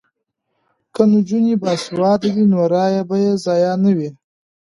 که نجونې باسواده وي نو رایې به یې ضایع نه وي.